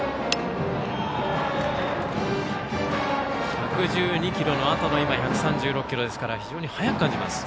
１１２キロからの１３６キロですから非常に速く感じます。